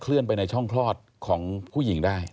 เลื่อนไปในช่องคลอดของผู้หญิงได้